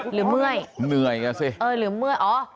เมื่อยเหนื่อยอ่ะสิเออหรือเมื่อยอ๋อ